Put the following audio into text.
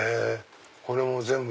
これも全部？